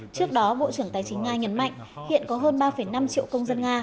trước đó bộ trưởng tài chính nga nhấn mạnh hiện có hơn ba năm triệu công dân nga